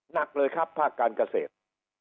หนักเลยครับภาคการเกษตร